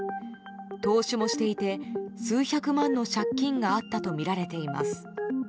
投資もしていて数百万円の借金があったとみられています。